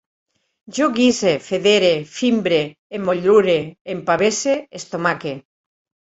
Jo guise, federe, fimbre, emmotlure, empavese, estomaque